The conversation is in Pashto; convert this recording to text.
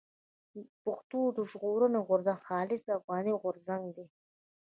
پښتون ژغورني غورځنګ خالص افغاني غورځنګ دی.